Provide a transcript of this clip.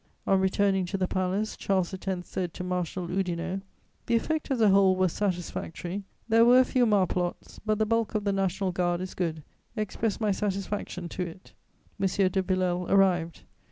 On returning to the Palace, Charles X. said to Marshal Oudinot: "The effect as a whole was satisfactory. There were a few marplots, but the bulk of the National Guard is good: express my satisfaction to it." M. de Villèle arrived.